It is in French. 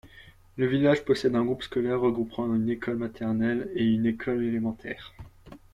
Le village possède un groupe scolaire regroupant une école maternelle et une école élémentaire.